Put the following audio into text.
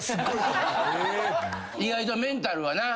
意外とメンタルはな。